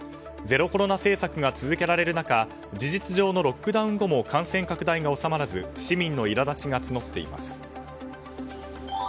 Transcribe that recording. ゼロコロナ政策が続けられる中事実上のロックダウン後も感染拡大が収まらず市民のいら立ちが募っています。